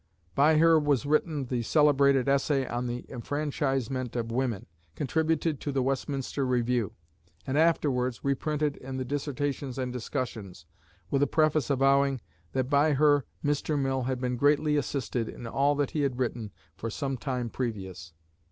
By her was written the celebrated essay on "The Enfranchisement of Women" contributed to "The Westminster Review," and afterwards reprinted in the "Dissertations and Discussions," with a preface avowing, that by her Mr. Mill had been greatly assisted in all that he had written for some time previous.